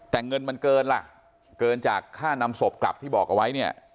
แต่เงินมันเกินล่ะเกินจากค่านำศพกลับที่บอกเอาไว้เนี่ย